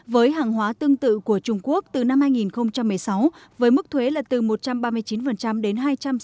với hàng hóa tương tự của trung quốc từ năm hai nghìn một mươi sáu với mức thuế là từ một trăm ba mươi chín đến hai trăm sáu mươi